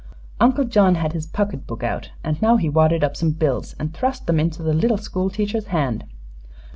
Uncle John had his pocketbook out, and now he wadded up some bills and thrust them into the little school teacher's hand.